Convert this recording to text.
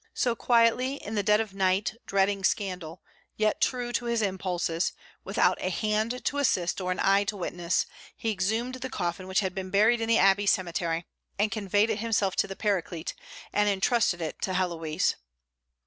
So, quietly, in the dead of night, dreading scandal, yet true to his impulses, without a hand to assist or an eye to witness, he exhumed the coffin which had been buried in the abbey cemetery, and conveyed it himself to the Paraclete, and intrusted it to Héloïse."